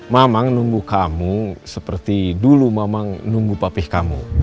mamang nunggu kamu seperti dulu mama nunggu papih kamu